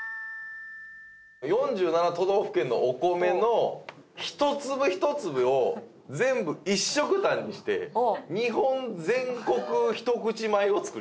４７都道府県のお米の一粒一粒を全部一緒くたにして日本全国ひと口米を作りません？